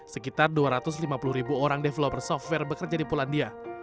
sekitar dua ratus lima puluh ribu orang developer software bekerja di polandia